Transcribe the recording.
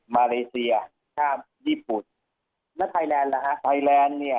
มาเลเซียท่ามญี่ปุ่นและไทยแลนด์อะครับไทยแลนด์เนี่ย